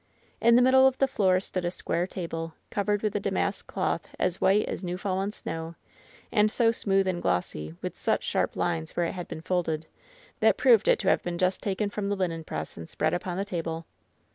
In the middle of the floor stood a square table, cov ered with a damask cloth as white as new fallen snow, and so smooth and glossy, with such sharp lines where it had been folded, that proved it to have been just taken from the linen press and spread upon the table.